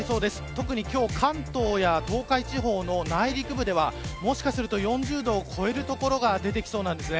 特に関東や東海地方の内陸部ではもしかすると４０度を超える所が出てきそうです。